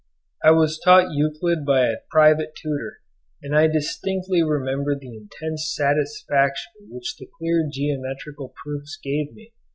I was taught Euclid by a private tutor, and I distinctly remember the intense satisfaction which the clear geometrical proofs gave me.